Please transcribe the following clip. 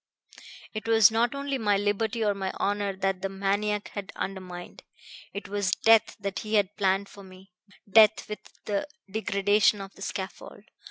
It was not only my liberty or my honor that the maniac had undermined. It was death that he had planned for me; death with the degradation of the scaffold.